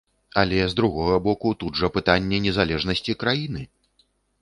Але, з другога боку, тут жа пытанне незалежнасці краіны!